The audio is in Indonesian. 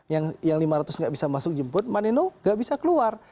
yang lima ratus nggak bisa masuk jemput mbak neno gak bisa keluar